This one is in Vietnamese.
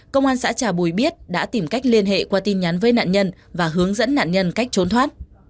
công an xã trà bùi biết đã tìm cách liên hệ qua tin nhắn với nạn nhân và hướng dẫn nạn nhân cách trốn thoát